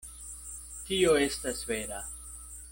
Tio estas vera.